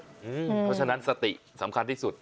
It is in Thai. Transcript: เพราะฉะนั้นสติสำคัญที่สุด